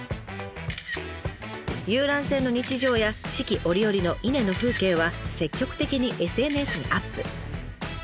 遊覧船の日常や四季折々の伊根の風景は積極的にＳＮＳにアップ。